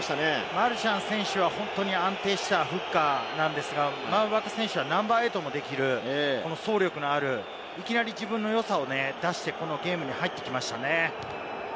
マルシャン選手は安定したフッカーなんですが、マルシャン選手はナンバー８もできる、自分の良さを出してゲームに入ってきましたね。